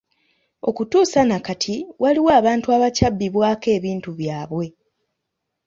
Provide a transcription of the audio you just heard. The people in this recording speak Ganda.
Okutuusa na kati waliwo abantu abakyabbibwako ebintu by’abwe.